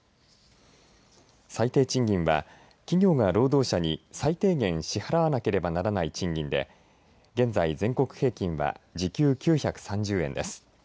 最低賃金は企業が労働者に最低限、支払わなくてはならない賃金で現在、全国平均は時給９３０円です。